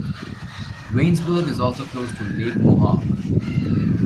Waynesburg is also close to Lake Mohawk.